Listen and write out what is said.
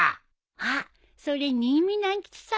あっそれ新美南吉さんだ。